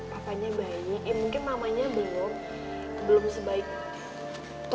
papanya bayi eh mungkin mamanya belum belum sebaik